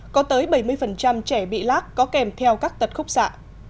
có tới bảy mươi trẻ bị lác có kèm theo các tật khúc xạ